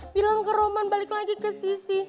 bilang ke roman balik lagi ke sisi